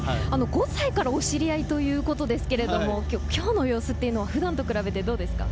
５歳からお知り合いということですけれども、今日の様子は普段と比べてどうですか？